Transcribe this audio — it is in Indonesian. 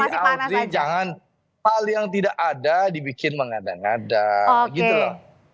jadi alvri jangan hal yang tidak ada dibikin mengada ngada gitu loh